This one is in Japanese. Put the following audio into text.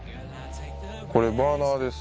これバーナーです。